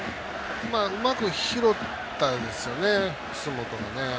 うまく拾ったんですよね楠本がね。